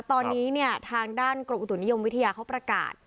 ตอนนี้เนี่ยทางด้านกรมอุตุนิยมวิทยาเขาประกาศ